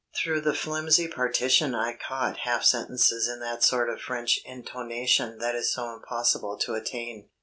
Through the flimsy partition I caught half sentences in that sort of French intonation that is so impossible to attain.